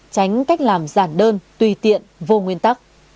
tránh cách làm giản đơn tùy tiện vô nguyên tắc